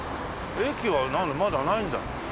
駅はまだないんだ。